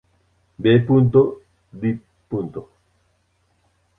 B., Div.